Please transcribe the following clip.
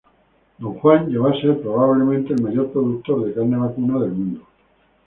Don Juan llegó a ser probablemente el mayor productor de carne vacuna del mundo.